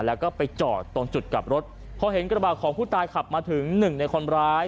แล้วก็ไปจอดตรงจุดกลับรถพอเห็นกระบาดของผู้ตายขับมาถึงหนึ่งในคนร้าย